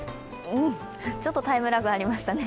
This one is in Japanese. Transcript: ちょっとタイムラグありましたね